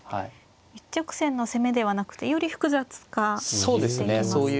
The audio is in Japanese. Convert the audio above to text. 一直線の攻めではなくてより複雑化していきますね。